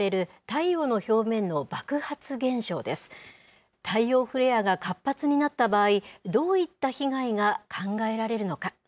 太陽フレアが活発になった場合、どういった被害が考えられるのか。